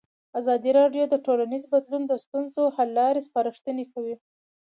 ازادي راډیو د ټولنیز بدلون د ستونزو حل لارې سپارښتنې کړي.